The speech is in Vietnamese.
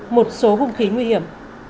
một số hung khí nguy hiểm